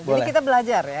jadi kita belajar ya